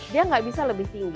dia nggak bisa lebih tinggi